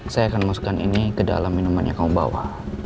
saya akan masukkan ini ke dalam minuman yang kau bawa